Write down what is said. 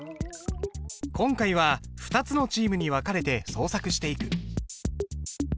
今回は２つのチームに分かれて創作していく。